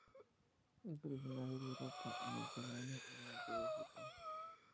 Es originario de Europa, el Mediterráneo y el norte de África.